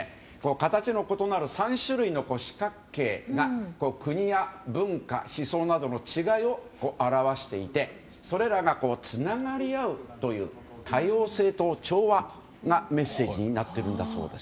形の異なる３種類の四角形が国や文化、思想などの違いを表していてそれらがつながり合うという多様性と調和がメッセージになっているんだそうです。